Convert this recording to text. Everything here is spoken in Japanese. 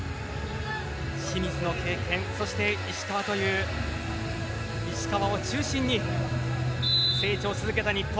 清水の経験、そして石川という石川を中心に成長し続けた日本。